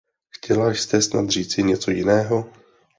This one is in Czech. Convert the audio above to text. Chtěla jste snad říci něco jiného?